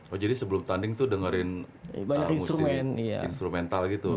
oh jadi sebelum tanding tuh dengerin musik instrumental gitu